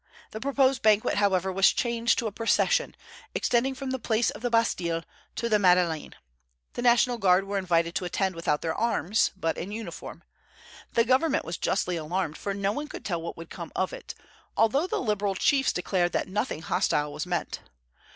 The proposed banquet, however, was changed to a procession, extending from the Place of the Bastille to the Madeleine. The National Guard were invited to attend without their arms, but in uniform. The government was justly alarmed, for no one could tell what would come of it, although the liberal chiefs declared that nothing hostile was meant.